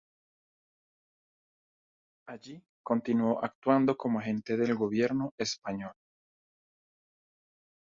Allí continuó actuando como agente del gobierno español.